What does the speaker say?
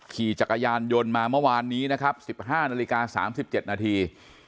ขี่จักรยานยนต์มาเมื่อวานนี้นะครับ๑๕นาฬิกา๓๗นาที